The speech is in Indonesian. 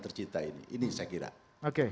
tercinta ini ini saya kira oke